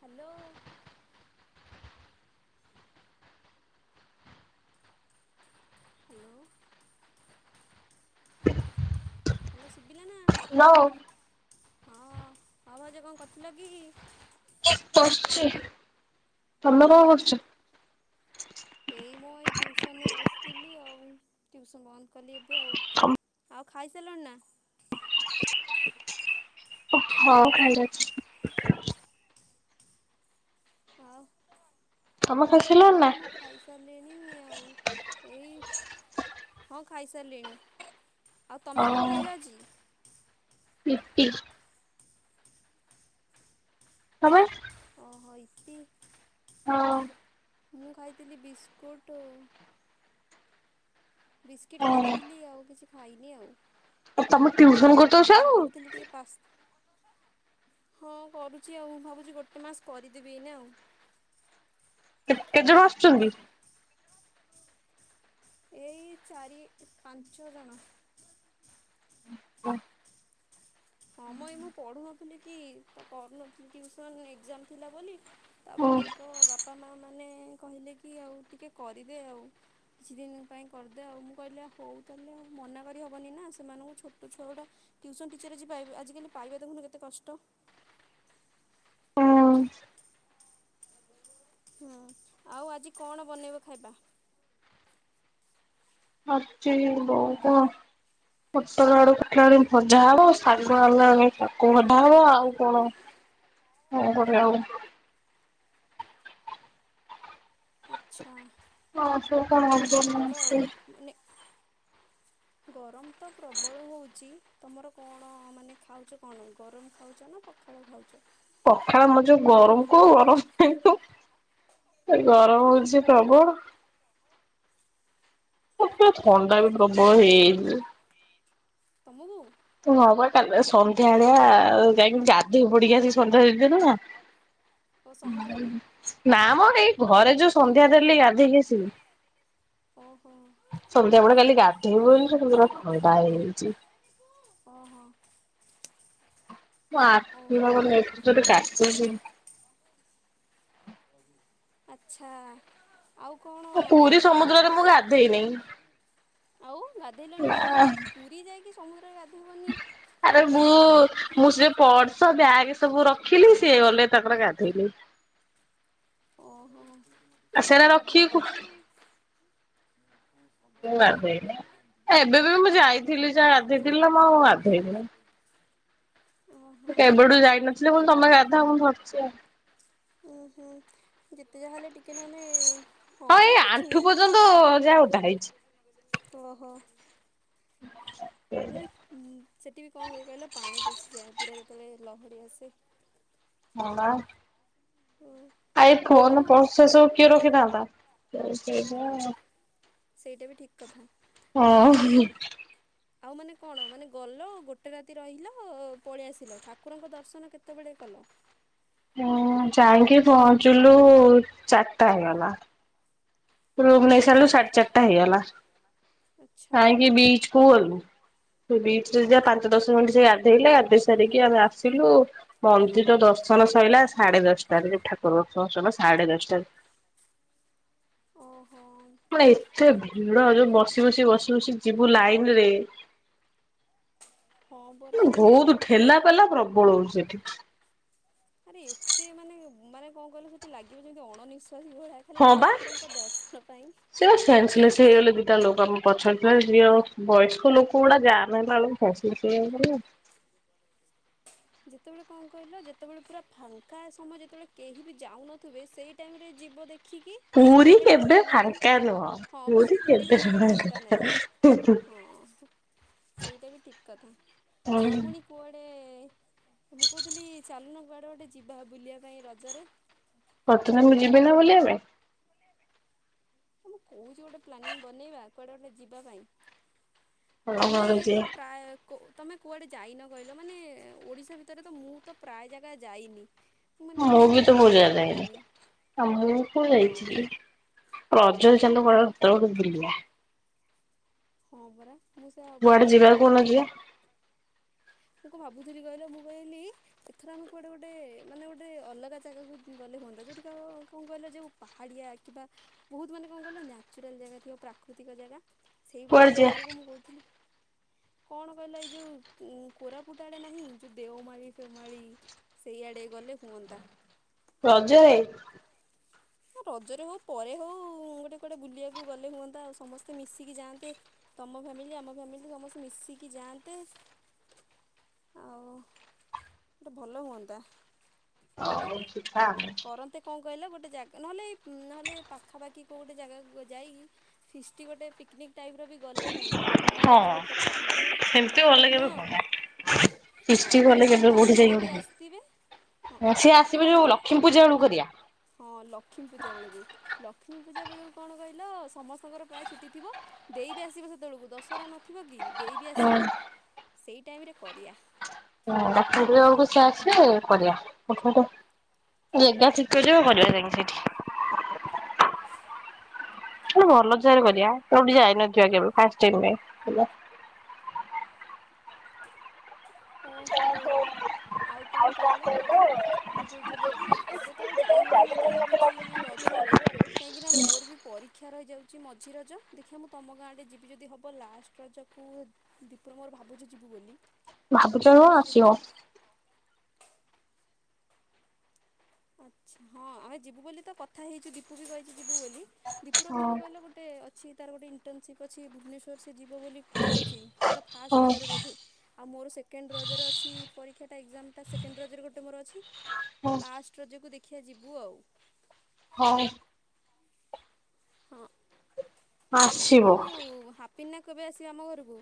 Hello. Hello. [inaudible] Hello ସୁବିଲା ନା? ନଉ। ହଁ ହଁ ଭାଉଜ କଣ କରୁଥିଲ କି? ବସିଛି ତମେ କଣ ହଁ କରୁଛ? ଏଇ ମୁଁ ଏଇ ଟିଉସନରେ ବସିଥିଲି ଆଉ ଟିଉସନ୍ ବନ୍ଦ କଲି ଏବେ ଆଉ। ଆଉ ଖାଇସାରିଲଣି ନା? ହଁ ଖାଇସାଇଲିନି। ଆଉ ତମେ ଖାଇ ଶାଇଲଣି ନା? ହଁ ମୁଁ ଖାଇସାରିଲିଣି ଆଉ ଏଇ ହଁ ଖାଇସାରିଲିଣି ଆଉ ତମେ କଣ ଖାଇଲ ଆଜି? ଇପି। କଣ ପାଇଁ? ଓହୋ ଇପି। ହଁ। ମୁଁ ଖାଇଥିଲି ବିସ୍କୁଟ ବିସ୍କିଟ୍ ଖାଦେଇଥିଲି ଆଉ କିଛି ଖାଇନି ଆଉ। ତମେ ଟିଉସନ କରିଦଉଛ ହୁଁ ଆଉ ଭାବୁଥିଲି ଟିକେ ପାସ୍ ହଁ କରୁଛି ଆଉ ଭାବୁଛି ଗୋଟେ ମାସ କରିଦେବି ଏଇନା ଆଉ। କେ କେତେ ଜଣ ଆସୁଛନ୍ତି? ଏଇ ଚାରି ପାଞ୍ଚ ଜଣ। [inaudible] ହଁ ମ ଏଇ ମୁଁ ପଢ଼ୁନଥିଲି କି ତ କରୁନଥିଲି ଟିଉସନ୍ ଏଗଜାମ ଥିଲା ବୋଲି ତାପରେ ତାଙ୍କ ବାପା ମା ମାନେ କହିଲେ କି ଆଉ ଟିକେ କରିଦେ ଆଉ। କିଛି ଦିନ୍ ପାଇଁ କରିଦେ ଆଉ ମୁଁ କହିଲି ହୋଉ ତାହେଲେ ମନା କରି ହବନି ନା ସେମାନଙ୍କୁ ଛୋଟ ଛୁଆ ଗୁଡା ଟ୍ୟୁସନ୍ ଟିଚର ଆଜି ପାଇବା ଆଜିକାଲି ପାଇବା ଦେଖୁନୁ କେତେ କଷ୍ଟ। ହୁଁ ଆଉ ଆଜି କଣ ବନେଇବ ଖାଇବା? ଆଛ ବହୁକୁ ପୋଟଳ, ଆଳୁ କାଠିଲାଣି ଭଜା ହବ, ଶାଗ ଆଣିଲା ବେ ତାକୁ ଭଜା ହବ, ଆଉ କଣ କଣ କରିବା ଆଉ। ଛଅ। ହଁ। ହୋଉ କଣ? ହଁ ମୁଁ ଭଲ ଆଉ। ସେ ମାନେ ଗରମ ତ ପ୍ରବଳ ହୋଉଛି। ତମର କଣ ମାନେ ଖାଉଛ କଣ ଗରମ ଖାଉଛ ନା ପ ପଖାଳ ଖାଉଛ? ପଖାଳ ମ ଯୋଉ ଗରମ କୁ ଗରମ ପା ଏ ଗରମ ହଉଛି ପ୍ରବଳ। ମତେ ଥଣ୍ଡା ବି ପଖା ପ୍ରବଳ ହେଇଯାଇଛି। ତମକୁ? ତୁ ହଁ ବା କାଲି ସନ୍ଧ୍ୟା ଆଳିଆ ଯାଇକି ଗାଧେଇ ପଡିକି ଆସି ସନ୍ଧ୍ୟା ଦେଇ ଦେଲୁ ନା ଓ ସମୁଦ୍ରରେ ନାମ ଏଇ ଘରେ ଯୋଉ ସନ୍ଧ୍ୟା ଦେଲି ଗାଧେଇଲି ଓହୋ ଆସିକି। ସନ୍ଧ୍ୟା ବେଳେ କାଲି ଗାଧେଇ ପାଇଲି ଯେ ପୁରା ଥଣ୍ଡା ହେଇଯାଇଛି। ଓହୋ। ମୁଁ ଆର୍ ଓହୋ [unintelligible] ହଜ [inaudible] ଆଚ୍ଛା ଆଉ କଣ ମୁଁ ପୁରୀ କହୁଥିଲି ସମୁଦ୍ରରେ ମୁଁ ଗାଧେଇନି। କଣ ଆଉ ଗାଧେଇଲନି କଣ ମ, ପୁରୀ ଯାଇକି ସମୁଦ୍ରରେ ଗାଧେଇବନି ଆରେ ତାହେଲେ ମୁଁ କଣ ମଜା। ମୁଁ ସେ ପର୍ସ ବ୍ୟାଗ୍ ସବୁ ରଖିଲି, ସିଏ ଗଲେ ତାଙ୍କର ଗାଧେଇଲେ। ଓହୋ। ଆ ସେ ସେରା ତମେ ଗାଧେଇ ରଖିକି କୁ ଥାଆନ୍ତ ନା? ମୁଁ ଗାଧେଇନି। ଏବେ ବି ମୁଁ ମି ଯାଇଥିଲି ଯା ଗାଧେଇଥିଲି ନା ମୁଁ ଆଉ ଗାଧେଇନି। [inaudible] କେବେଠୁ ଯାଇନଥିଲେ କହିଲି ତମେ ଗାଧାଅ ମୁଁ ଧରିଛି ଆଉ। ଉୁଁ ହୁଁ, ଯେତେ ଯାହା ହେଲେ ଟିକେ ନହଲେ ହଁ ଏଇ ମ କିଛି ଆଣ୍ଠୁ ନାଇଁ। ପର୍ଯ୍ୟନ୍ତ ଯାହା ଓଦା ହେଇଛି। ଓହୋ। ହ [inaudible] ନା ସେଠି ବି କଣ ହୁଏ କହିଲ ପାଣି ପଶିଯାଏ। ପୁରା ଯେତେବେଳେ ଲହଡି ଆସେ। ହଁ ବା। ଓ ଆ ଏଇ ଫୋନ୍ ଆଉ ପର୍ସ୍ ସବୁ କିଏ ହଁ ରଖିଥାନ୍ତା। ସେଇଟା ବି ଠିକ୍ କଥା। ଆଉ କିଏ ହଁ ଆଉ ମାନେ କଣ ମାନେ ଗଲ ଗୋଟେ ରାତି ରହିଲ ପଳେଇଆସିଲ ଠାକୁରଙ୍କ ଦର୍ଶନ କେତେବେଳେ କଲ? ଅଁ ଯାଇକି ପହଞ୍ଚିଲୁ ଚାରିଟା ହେଇଗଲା। ରୁମ୍ ନେଇ ଆଚ୍ଛା ସାରିଲୁ ସାଢେ଼ ଚାରିଟା ହେଇଗଲା। ଆଚ୍ଛା ଯାଇକି ବିଚ୍ କୁ ଗଲୁ। ସେଇ ବିଚ୍ ରେ ଯାହା ହଁ ପାଞ୍ଚ ଦଶ ମିନିଟ୍ ସେ ଗାଧେଇଲେ ଗାଧୋଇ ସାରିକି ଆମେ ଆସିଲୁ। ମନ୍ଦିର ଦର୍ଶନ ସଇଲା ସାଢେ ଦଶଟାରେ, ଯୋଉ ଠାକୁର ଦର୍ଶନ ସାଢେ ଦଶଟାରେ। ଓହୋ। ମାନେ ଏତେ ଭିଡ, ଯୋଉ ବସି ବସି, ବସି ବସି ଯିବୁ ଲାଇନ୍ ରେ। ହଁ ପରା ବୋହୁତ୍ ବହୁତ ମାନେ ଠେଲାପେଲା ପ୍ରବଳ ହୋଉଛି ସେଠି। ଆରେ ଏତେ ମାନେ ମାନେ କଣ କହିଲ ସେଠି ଲାଗିବ ଯେମିତି ଅଣନିଃଶ୍ୱାସୀ ଭଳିଆ। ଖାଲି ହଁ ବା। ଠାକୁରଙ୍କ ଦର୍ଶନ ପାଇଁ। ସେଇ ହେଲେ ଦିଇଟା ଲୋକ ଆମେ ପଛରେ ଥିଲେ ଝିଅ ବୟସ୍କ ଲୋକ ଗୁଡ଼ା ଜାମ୍ ହେଲା ବେଳକୁ [unintelligible] [unintelligible] ଯେତେବେଳେ କଣ କହିଲ ଯେତବେଳେ ପୁରା ଫାଙ୍କା ସମୟ ଯେତେବେଳେ କେହି ବି ଯାଉନଥିବେ ସେଇ ଟାଇମ୍ ରେ ଯିବ ଦେଖିକି। ପୁରୀ ତାହେଲେ ଟିକେ କେବେ ଭଲ କି ଫାଙ୍କା ନୁହଁ ହଁ ବା ସେ ପୁରୀ ବି କେବେ ଫାଙ୍କା ନାଇଁ। ହଁ ହୁଁ ସେଇଟା ବି ଠିକ୍ କଥା ଆଉ ନୁହଁ। ପୁଣି କୁଆଡେ ମୁଁ କହୁଥିଲି ଚାଲୁନ କୁଆଡେ ଗୋଟେ ଯିବା ବୁଲିଆ ପାଇଁ ରଜରେ। ପ୍ରଥମେ ମୁଁ ଯିବି ନା ବୁଲିଆ ପାଇଁ। ହେ ମୁଁ କହୁଚି ଗୋଟେ ପ୍ଲାନିଂ ବନେଇବା କୁଆଡେ ଗୋଟେ ଯିବା ପାଇଁ। ହଁ ତମେ ଘରେ ତ ଯିବା। ପ୍ରାୟ କୋ ତମେ କୁଆଡ଼େ ଯାଇନ କହିଲ ମାନେ ଓଡ଼ିଶା ଭିତରେ ତ ମୁଁ ତ ପ୍ରାୟେ ଜାଗା ଯାଇନି। ମାନେ ମୁଁ ଏତେ ବି ତ କୁଆଡ଼େ ବହୁତ ବୁଲାବୁଲି ଜାଗା ଯାଇନି। କରିନି ହଁ ରଜରେ ଚାଲୁନ କୁଆଡେ [unintelligible] ବୁଲିଆ। ହଁ ପରା ମୁଁ ସେୟା କୁଆଡେ ଭାବୁଥିଲି ଯିବା କହୁନ ଏ ଯିବା? ମୁଁ କଣ ଭାବୁଥିଲି କହିଲ ମୁଁ କହିଲି ଏଥର ଆମେ କୁଆଡେ ଗୋଟେ ମାନେ ଗୋଟେ ଅଲଗା ଜାଗାକୁ ଉଁ ଗଲେ ହୁଅନ୍ତା ଯୋଉଠି କ-କଣ କହିଲେ ଯୋଉ ପାହାଡ଼ିଆ କିମ୍ବା ବହୁତ ମାନେ କଣ କହିଲ ନ୍ୟାଚୁରାଲ ଜାଗା ଥିବ ପ୍ରାକୃତିକ ଜାଗା। ସେଇ ଭଳିଆ କୁଆଡେ ଯିବା ଜାଗାକୁ ମୁଁ କହୁଥିଲି କଣ କହିଲ ଏଇ ଯୋଉ ଉଁ କୋରାପୁଟ ଆଡ଼େ ନାହିଁ ଯୋଉ ଦେଓମାଳି ଫେଓମାଳି ସେଇଆଡ଼େ ଗଲେ ହୁଅନ୍ତା। ରଜରେ? ହଁ ରଜରେ ହଉ ପରେ ହଉ ଗୋଟେ କୁଆଡେ ବୁଲିଆକୁ ଗଲେ ହୁଅନ୍ତା ଆଉ ସମସ୍ତେ ମିଶିକି ଯାଆନ୍ତେ। ତମ ଫ୍ୟାମିଲି ଆମ ଫ୍ୟାମିଲି ସମସ୍ତେ ମିଶିକି ଯାଆନ୍ତେ। ଆଉ ଗୋଟେ ଭଲ ହୁଅନ୍ତା। ହଉ ଯିବା। ତେ କଣ କହିଲେ ଗୋଟେ ଜା ନହେଲେ ଏଇ ଉଁ ନହେଲେ ପାଖାପାଖି କୋଉ ଗୋଟେ ଜାଗାକୁ ଯାଇକି ଫିଷ୍ଟି ଗୋଟେ ପିକନିକ୍ ଟାଇପ ର ବି ଗଲେ ହୁଅନ୍ତା ବଣଭୋଜି ହଁ ଗୋଟେ କରନ୍ତେ ସେମିତି ଗଲେ କେବେ ନୁହଁ। ହୁଅନ୍ତା। ହଁ ସୃଷ୍ଟି କଲେ ମାନେ ବାପିନା ବି ଆସଥିବେ। ହଁ ସିଏ ଆସିବେ ଯୋଉ ଲକ୍ଷ୍ମୀ ପୂଜା ବେଳକୁ କରିଆ। ହଁ ଲକ୍ଷ୍ମୀ ପୂଜା ବେଳକୁ ଲକ୍ଷ୍ମୀ ପୂଜା ବେଳକୁ କଣ କହିଲ ସମସ୍ତଙ୍କର ପ୍ରାୟେ ଛୁଟି ଥିବ। ଦେଇ ବି ଆସିବ ସେତବେଳକୁ ଦଶହରା ନଥିବ କି ଦେଇ ବି ଆସିବ ସେଇ ଟାଇମ ରେ କରିଆ। ହୁଁ ଲକ୍ଷ୍ମୀ ପୂଜା ବେଳକୁ ସିଏ ଆସିବେ କରିଆ [unintelligible] ଜାଗା ଠିକ୍ କରିବ କରିବା ଯାଇକି ସେଇଠି। ହୁଁ ଭଲ ଜାଗା ରେ କରିଆ ଯୋଉଠି ଯାଇନଥିବା କେବେ ଫାର୍ଷ୍ଟ ଟାଇମ ପାଇଁ। ଓ ହଉ। ଆଉ କଣ କହିଲ ମୁଁ କହୁଥିଲି କି ଏବେ ତ ଆଉ ଯାଇହବନି ମତେ ଲାଗୁଚି ରଜରେ। କାହିଁକିନା ମୋର ବି ପରି କ୍ଷା ରହିଯାଉଚି ମଝି ରଜ ଦେଖିଆ ମୁଁ ତମ ଗାଁ ଆଡେ ଯିବି ଯଦି ହବ ଲାଷ୍ଟ ରଜକୁ ଦୀପୁ ର ମୋର ଭାବୁଚୁ ଯିବୁ ବୋଲି। ଭାବୁଚ କଣ ଲାଷ୍ଟ ରଜ ଆସିବ। ଆଡ଼କୁ ଆଚ୍ଛା ହଁ ଆମେ ଯିବୁ ବୋଲି ତ କଥା ହେଇଚୁ ଦୀପୁ ବି କହିଚି ଯିବୁ ବୋଲି ଦୀପୁର ହଁ କଣ କହିଲ ଗୋ ଟେ ଅଛି ତାର ଗୋଟେ ଇଣ୍ଟର୍ନସିପ୍ ଅଛି ଭୁବନେଶ୍ୱର ସେ ଯିବ ବୋଲି କହୁଚି ସେଟା ଫାଷ୍ଟ ହଁ ରଜରେ ବୋଧେ। ଆଉ ମୋର ସେକେଣ୍ଡ ରଜରେ ଅଛି ପରୀକ୍ଷାଟା ଟା ଏଗଜାମ୍ ଟା ସେକେଣ୍ଡ ରଜରେ ଗୋଟେ ମୋର ଅଛି ତ ଲାଷ୍ଟ ରଜକୁ ଦେଖିଆ ଯିବୁ ଆଉ। ହଁ। ହଁ ଆସିବ। ଆଉ ହାପିନା କେବେ ଆସିବେ ଆମ ଘରକୁ?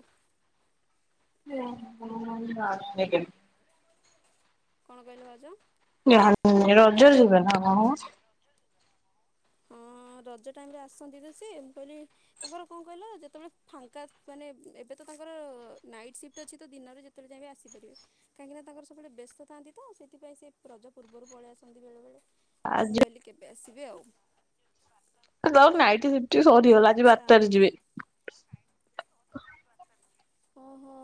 କଣ କହିଲ ଭାଉଜ? [unintelligible] ରଜ ଯିବା ନା କଣ ମ। ହଁ ରଜ ଟାଇମ୍ ରେ ଆସନ୍ତି ତ ସିଏ ମୁଁ କହିଲି ତାଙ୍କର କଣ କହିଲ ଯେତେବେଳେ ଫାଙ୍କା ମାନେ ଏବେ ତ ତାଙ୍କର ନାଇଟ ସି ଅଛି ତ ଦିନରେ ଯେତେବେଳେ ଚାହିଁବେ ଆସି ପାରିବେ। କାହିଁକି ନା ତାଙ୍କର ସବୁବେଳେ ବ୍ୟସ୍ତ ଥାନ୍ତି ତ ସେଥିପାଇଁ ସେ ରଜ ପୂର୍ବରୁ ପଳେଇ ଆସନ୍ତି ବେଳେବେଳେ। ତ ମୁଁ ଆଜି କହିଲି କେବେ ଆସିବେ ଆଉ। ଦ ନାଇଟ ସିପ୍ଟ ସରିଗଲା ଆଜି ଆଚ୍ଛା ବାରଟାରେ ଯିବେ। ଓହୋ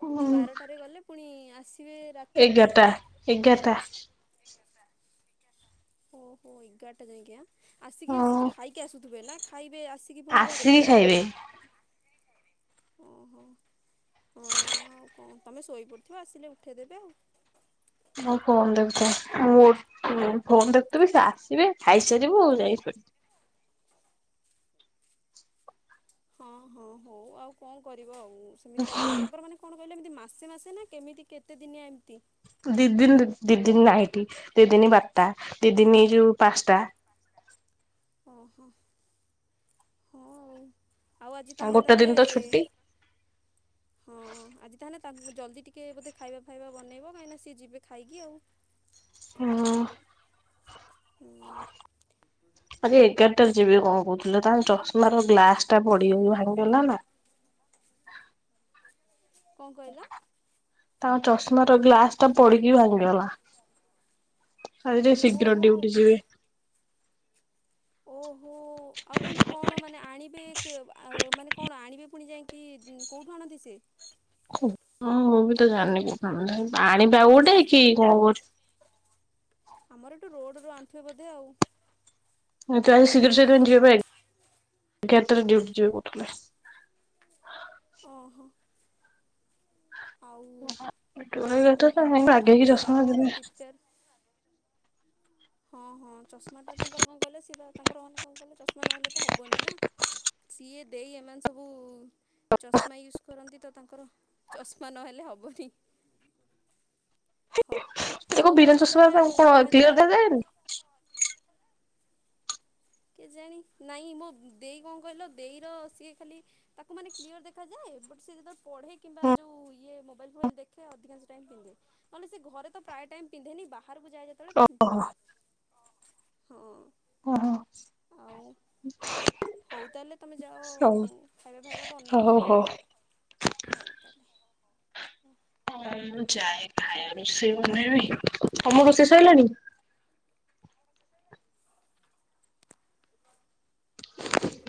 ହୁଁ। ବାରଟାରେ ଗଲେ ପୁଣି ଆସିବେ ରାତି ଏଗାରଟା ଏଗାରଟା। ଓ ହୋ ଏଗାରଟା ଯାଇକି ଆସିକି ସେ ତ ହଁ। ଖାଇକି ଆସୁଥିବେ ନା। ଖାଇବେ ଆସିକି ପୁଣି ଘରେ। ଓହୋ ହଁ ଆଉ କଣ ତମେ ଶୋଇପଡ଼ିଥିବ ଆସିଲେ ଉଠେଇଦେବେ ଆଉ। ମୁ ଫୋନ ଦେଖୁଥାଏ। ଫୋନ୍ ଦେଖୁଥିବି ସେ ଆସିବେ ଖାଇସାରିବୁ ଯାଇ ଶୋଇବୁ। ହଁ ହଁ ହଉ ଆଉ କଣ କରିବା ଆଉ ସେମିତି ହବ ଆୟୁ ତାଙ୍କର ମାନେ କଣ କହିଲ ଏମିତି ମାସେ ମାସେ ନା କେମିତି କେତେଦିନିଆ ଏମିତି। ଦି ଦିନ୍‌ ଦି ଦିନ୍‌ ନାଇଟ୍ ଦି ଦିନ ବାରଟା ଦି ଦିନ୍‌ ଏଇ ଯୋଉ ପାଞ୍ଚଟା। ଓହୋ ହଁ ଆଉ। ଆଉ ଆଜି ତମେ ଗୋଟେ ଦିନ ତାହେଲେ ତ ଛୁଟି ହଁ ଆଜି ତାହେଲେ ତାଙ୍କୁ ଜଲ୍ଦି ଟିକେ ବୋଧେ ଖାଇବା ଫାଇବା ବନେଇବ କାହିଁକିନା ସିଏ ଯିବେ ଖାଇକି ଆଉ। ହଁ। ହୁଁ ଆଜି ଏଗାରଟାରେ ଯିବି କଣ କହୁଥିଲେ ତାଙ୍କ ଚଷମାର ର ଗ୍ଲାସଟା ପଡି ଭାଙ୍ଗିଗଲା ନା। କଣ କହିଲ? ତାଙ୍କ ଚଷମାର ଗ୍ଲାସ ଟା ପଡିକି ଭାଙ୍ଗିଗଲା। ଆଜି ଟିକେ ଶୀଘ୍ର ଓହୋ ଡିଉଟି ଯିବି। ଓହୋ ଆଉ ପୁଣି କଣ ମାନେ ଆଣିବେ। କେ ମାନେ କଣ ଆଣିବେ ପୁଣି ଯାଇକି କୋଉଠୁ ଆଣନ୍ତି ସେ? ହଁ ମୁଁ ବି ତ ଜାଣି ଆଣିିବା ଆଉ ଗୋଟେ ଚାର୍ଜି କି କଣ କରିଛ। ଆମର ଏଇଠୁ ରୋଡ଼ରୁ ଆଣିଥିବେ ବୋଧେ ଆଉ। ତୁ ଆଜି ଶୀଘ୍ର ସେହି ଯିବ ଏଗାରଟାରେ ଡିଉଟି ଯିବ କହୁଥିଲା। ଓହୋ। ଆଉ ହଉ ତାହେଲେ ଆଉ ତମେ ଆଗେଇକି ନହେଲେ ଚଷମା ଯାଅ ଦେଲେ ପ୍ରିପେୟାର ହଁ ହଁ ଚଶମାଟା ତାଙ୍କର କଣ କହିଲ ସେ ତାଙ୍କର ମାନେ କଣ କଲେ ଚଷମା ନହେଲେ ତ ହବନି ନା। ସିଏ ଦେଇ ଏମାନେ ସବୁ ଚଷମା ୟୁଜ୍ କରନ୍ତି ତ ତାଙ୍କର ଚଷମା ନହେଲେ ହବନି। ହଉ ତା ହଉ ବିନା ଭାଉଜ ତାହେଲେ ଚଷମାରେ ଆଉ ତାଙ୍କୁ କଣ ତମେ କ୍ଲିଅର ଯାଅ ଦେଖାଯାଏନି। କେଜାଣି ନାଇଁ ମୋ ଦେଇ କଣ କହିଲ ଦେଇର ସିଏ ଖାଲି ତାକୁ ମାନେ କ୍ଲିୟର ଦେଖାଯାଏ, ବଟ ସେ ଯେତେବେଳେ ପଢେ କିମ୍ବା ଯୋଉ ଇଏ ମୋବାଇଲ ଫୋବାଇଲ ଦେଖେ। ଅଧିକାଂଶ ଟାଇମ ପିନ୍ଧେ ନହେଲେ ସେ ଘରେ ତ ପ୍ରାୟ ଟାଇମ ପିନ୍ଧେନି ବାହାରକୁ ଯାଏ ଯେତେବେଳେ ଓହୋ ପିନ୍ଧେ ହଁ ହଁ। ଓହ। ଆଉ ହଉ ତାହେଲେ ତମେ ଯାଅ ଖାଇବା ଫାଇବା ହଉ ବନାଅ ହଉ ଆଉ ହଉ। ହଉ ତାହାଲେ। ହଁ ମୁଁ ଯାଏ ଯାଏ ରୋଷେଇ ବନେଇବି ତମ ରୋଷେଇ ସରିଲାଣି? [inaudible]